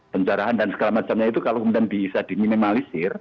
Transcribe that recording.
penjarahan dan segala macamnya itu kalau kemudian bisa diminimalisir